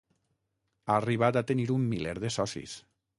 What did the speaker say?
Ha arribat a tenir un miler de socis.